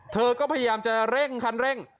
เธอก็พยายามจะเร่งคันเร่ง